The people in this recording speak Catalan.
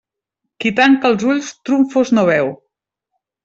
Qui tanca els ulls, trumfos no veu.